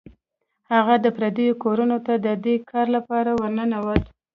هغه د پردیو کورونو ته د دې کار لپاره ورنوت.